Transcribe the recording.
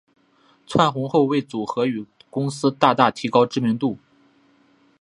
窜红后为组合与公司大大提高知名度。